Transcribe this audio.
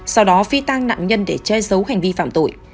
sau đó phi tàng nạn nhân để che xấu hành vi phạm tội